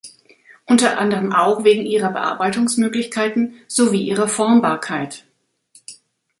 Unter anderem auch wegen ihrer Bearbeitungsmöglichkeiten, sowie ihrer Formbarkeit.